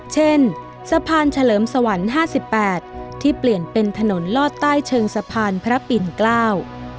เช่นสะพานเฉลิมสวรรค์ห้าสิบแปดที่เปลี่ยนเป็นถนนลอดใต้เชิงสะพานพระปิ่นเกล้า